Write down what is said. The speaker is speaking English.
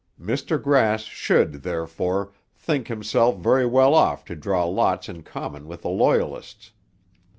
Mr Grass should, therefore, think himself very well off to draw lots in common with the Loyalists.'